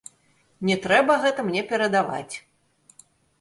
Не трэба гэта мне перадаваць.